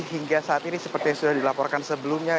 hingga saat ini seperti yang sudah dilaporkan sebelumnya